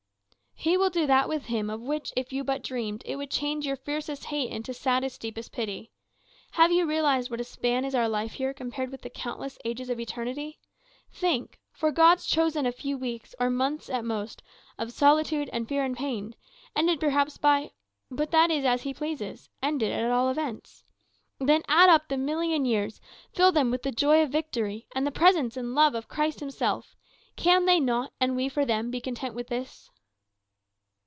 "He will do that with him of which, if you but dreamed, it would change your fiercest hate into saddest, deepest pity. Have you realized what a span is our life here compared with the countless ages of eternity? Think! For God's chosen a few weeks, or months at most, of solitude and fear and pain, ended perhaps by but that is as he pleases; ended, at all events. Then add up the million years, fill them with the joy of victory, and the presence and love of Christ himself. Can they not, and we for them, be content with this?"